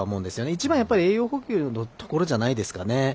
一番、栄養補給のところじゃないですかね。